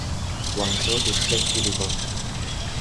Waŋkrew da flɛgge debaŋ.